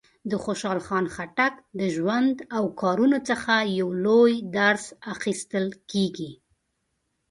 د خوشحال خان خټک د ژوند او کارونو څخه یو لوی درس اخیستل کېږي.